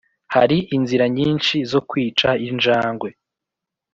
hari inzira nyinshi zo kwica injangwe